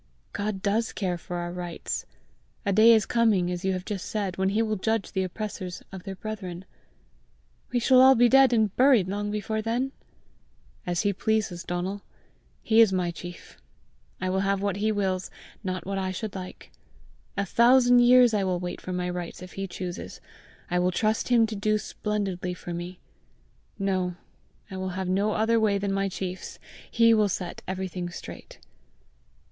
GOD DOES care for our rights. A day is coming, as you have just said, when he will judge the oppressors of their brethren." "We shall be all dead and buried long before then!" "As he pleases, Donal! He is my chief. I will have what he wills, not what I should like! A thousand years I will wait for my rights if he chooses. I will trust him to do splendidly for me. No; I will have no other way than my chief's! He will set everything straight!"